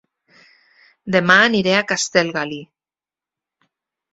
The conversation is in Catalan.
Dema aniré a Castellgalí